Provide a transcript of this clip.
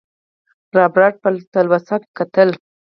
رابرټ په تلوسه کتل.